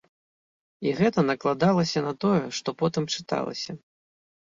І гэта накладалася на тое, што потым чыталася.